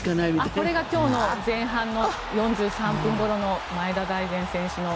これは今日の前半４３分ごろの前田大然選手の。